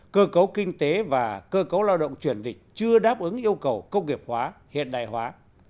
cơ cấu kinh tế và cơ cấu lao động chuyển dịch chưa đáp ứng yêu cầu công nghiệp hóa hiện đại hóa